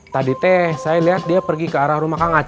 tadi teh saya lihat dia pergi ke arah rumah kang aceh